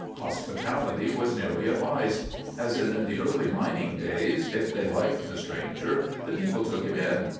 Hospitality was nearly a vice. As in the early mining days, if they liked the stranger the people took him in.